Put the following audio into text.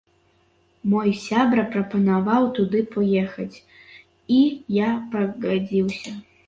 Мой сябра прапанаваў туды паехаць і я пагадзіўся.